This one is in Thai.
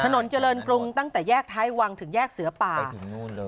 ถนนเจริญกรุงตั้งแต่แยกท้ายวังถึงแยกเสือป่าไปถึงนู่นเลย